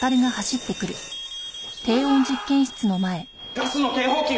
ガスの警報器が！